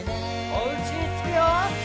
おうちにつくよ。